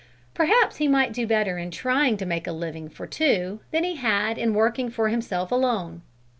perhaps he might do better in trying to make a living for two than he had in working for himself alone.